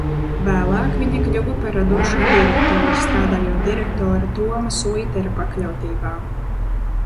Vēlāk viņa kļuva par radošo direktori, strādājot direktora Toma Suitera pakļautībā.